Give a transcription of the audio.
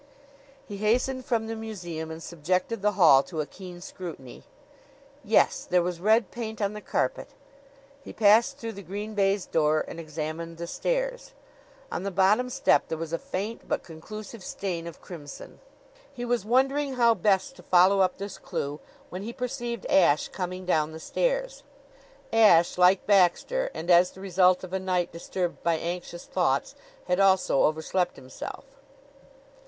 He hastened from the museum and subjected the hall to a keen scrutiny. Yes; there was red paint on the carpet. He passed through the green baize door and examined the stairs. On the bottom step there was a faint but conclusive stain of crimson! He was wondering how best to follow up this clew when he perceived Ashe coming down the stairs. Ashe, like Baxter, and as the result of a night disturbed by anxious thoughts, had also overslept himself.